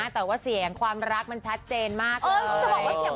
แต่ว่าเสียงความรักมันชัดเจนมากเลย